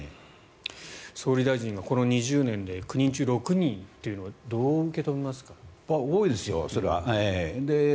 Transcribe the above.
総理大臣がこの２０年で９人中６人というのは多いですよ、それは。